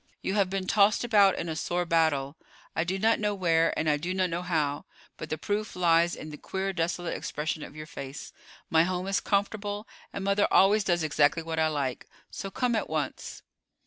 You have been tossed about in a sore battle. I do not know where, and I do not know how; but the proof lies in the queer, desolate expression of your face. My home is comfortable, and mother always does exactly what I like; so come at once."